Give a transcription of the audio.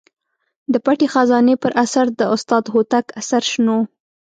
د پټې خزانې پر اثر د استاد هوتک اثر شنو.